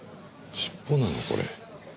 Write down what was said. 尻尾なのこれ。